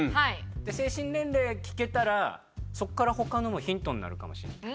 で精神年齢が聞けたらそこから他のもヒントになるかもしれない。